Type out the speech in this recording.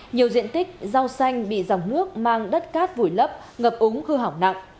nhiều diện tích rau xanh bị dòng nước mang đất cát vùi lấp ngập úng hư hỏng nặng